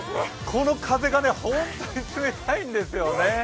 この風が本当に冷たいんですよね。